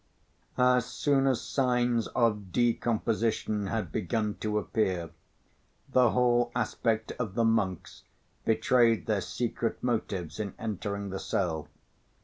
As soon as signs of decomposition had begun to appear, the whole aspect of the monks betrayed their secret motives in entering the cell.